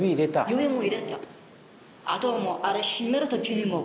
指も入れた。